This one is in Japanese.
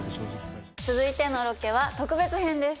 続いてのロケは特別編です。